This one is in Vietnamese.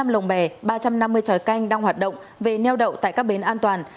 bốn trăm sáu mươi năm lồng bè ba trăm năm mươi tròi canh đang hoạt động về neo đậu tại các bến an toàn